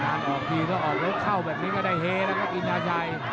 อ๋อทางออกทีก็ออกแล้วเข้าแบบนี้ก็ได้เฮนะครับอินทราชัย